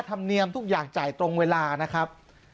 ธรรมเนียมทุกอย่างจ่ายตรงเวลานะครับ